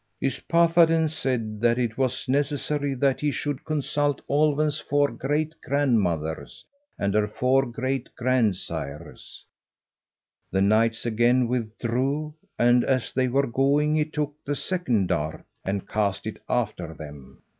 Yspathaden said it was necessary that he should consult Olwen's four great grandmothers and her four great grand sires. The knights again withdrew, and as they were going he took the second dart and cast it after them.